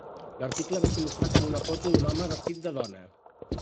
L'article va ser il·lustrat amb una foto d'un home vestit de dona.